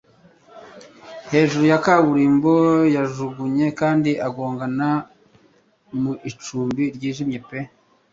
Hejuru ya kaburimbo yajugunye kandi agongana mu icumbi ryijimye pe